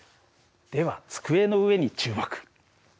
では机の上に注目。